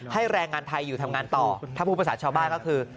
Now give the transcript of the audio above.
แรงงานไทยอยู่ทำงานต่อถ้าพูดภาษาชาวบ้านก็คือ